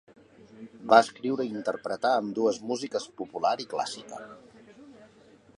Va escriure i interpretar ambdues músiques popular i clàssica.